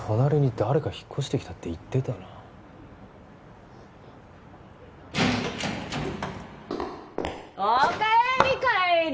「誰か引っ越してきた」って言ってたなお帰り！